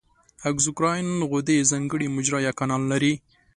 اګزوکراین غدې ځانګړې مجرا یا کانال لري.